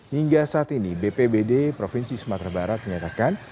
hingga saat ini bpbd provinsi sumatera barat menyatakan